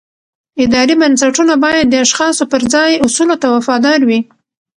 اداري بنسټونه باید د اشخاصو پر ځای اصولو ته وفادار وي